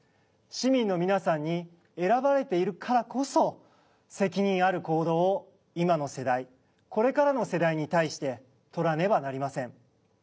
市民の皆さんに選ばれているからこそ責任ある行動を今の世代これからの世代に対してとらねばなりません。